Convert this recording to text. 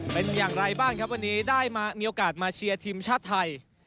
เป็นอย่างไรบ้างครับวันนี้ได้มีโอกาสมาเชียร์ทีมชาติไทย